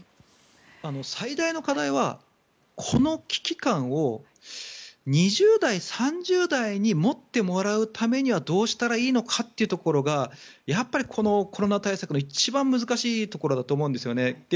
最大の課題はこの危機感を２０代、３０代に持ってもらうためにはどうしたらいいのかというところがやっぱり、コロナ対策の一番難しいところだと思うんですよね。